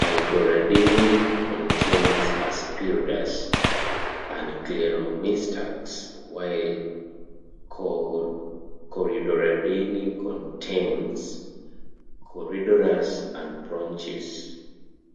Aspidoradini contains "Aspidoras" and "Scleromystax", while Corydoradini contains "Corydoras" and "Brochis".